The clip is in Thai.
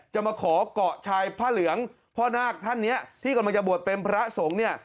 มาขอเกาะชายผ้าเหลืองพ่อนาคท่านนี้ที่กำลังจะบวชเป็นพระสงฆ์เนี่ย